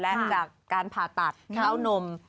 และจากการผ่าตัดเข้านม